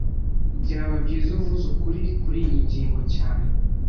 Byaba byiza uvuze ukuri kuriyi ngingo cyane